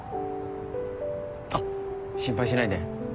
あっ心配しないで。